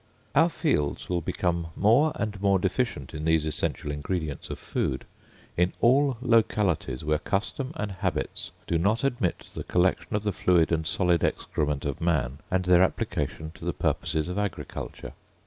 Our fields will become more and more deficient in these essential ingredients of food, in all localities where custom and habits do not admit the collection of the fluid and solid excrements of man, and their application to the purposes of agriculture.